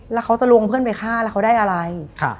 แล้วเขาจะลวงเพื่อนไปฆ่าแล้วเขาได้อะไร